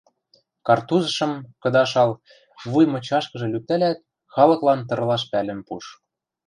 Картузшым, кыдашал, вуй мычашкыжы лӱктӓлят, халыклан тырлаш пӓлӹм пуш.